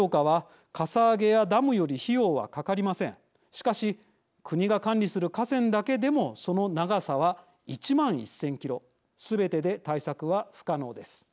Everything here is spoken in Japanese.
しかし国が管理する河川だけでもその長さは１万１，０００キロすべてで対策は不可能です。